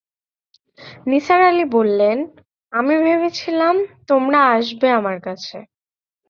নিসার আলি বললেন, আমি ভেবেছিলাম তোমরা আসবে আমার কাছে।